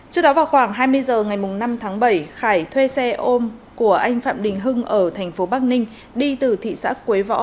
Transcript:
trước đó vào khoảng hai mươi h ngày năm tháng bảy khải thuê xe ôm của anh phạm đình hưng ở thành phố bắc ninh đi từ thị xã quế võ